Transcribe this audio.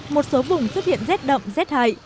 một số vùng xuất hiện z động z hại